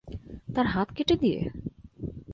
তার হাত কেটে দিয়ে?